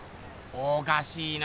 おかしいな。